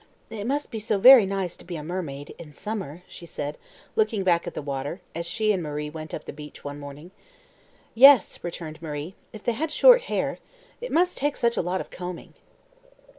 "It must be so very nice to be a mermaid in summer," she said, looking back at the water, as she and Marie went up the beach one morning. "Yes," returned Marie, "If they had short hair. It must take such a lot of combing."